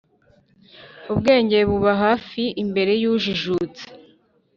ubwenge buba hafi imbere y’ujijutse